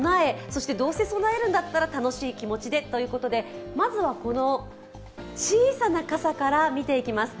そしてどうせ備えるんだったら楽しい気持ちでということで、まずはこの小さな傘から見ていきます。